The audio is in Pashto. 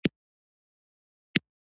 موزیک د هر ژبې نه لوړه ژبه ده.